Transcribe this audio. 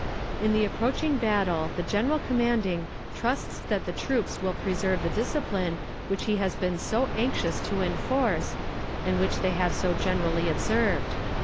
"In the approaching battle the general commanding trusts that the troops will preserve the discipline which he has been so anxious to enforce, and which they have so generally observed.